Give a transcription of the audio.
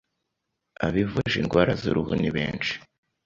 abivuje indwara z’uruhu ni benshi